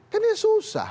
kan ini susah